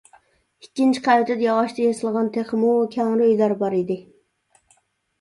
ئىككىنچى قەۋىتىدە ياغاچتىن ياسالغان تېخىمۇ كەڭرى ئۆيلەر بار ئىدى.